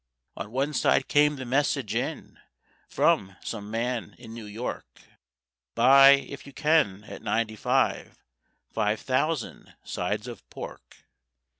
"On one side came the message in From some man in New York: 'Buy if you can, at ninety five, _Five thousand sides of pork.